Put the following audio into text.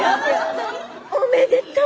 おめでとう。